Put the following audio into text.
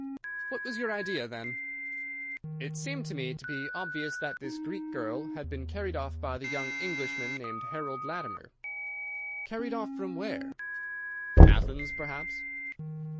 "What was your idea, then?" "It seemed to me to be obvious that this Greek girl had been carried off by the young Englishman named Harold Latimer." "Carried off from where?" "Athens, perhaps."